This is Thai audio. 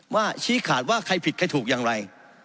ชี้ขาดว่าใครผิดใครถูกอย่างไร